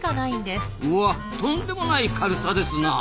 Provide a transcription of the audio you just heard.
うわとんでもない軽さですな。